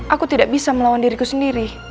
aku tidak bisa melawan diriku sendiri